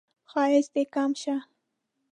ښایست دې کم شه